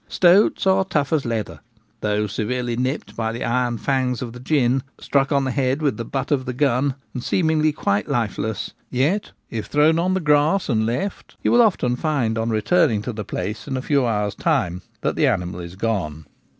Stoats are tough as leather : though severely nipped by the iron fangs of the gin, struck on the head with the butt of the gun, and seemingly quite lifeless, yet, if thrown on the grass and left, you will often find on returning to the place in a few hours' time that the animal is gone.